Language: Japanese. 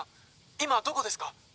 今どこですか？